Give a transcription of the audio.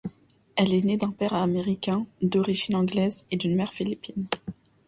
Elle est née d'un père américain d'origine anglaise et d'une mère philippin.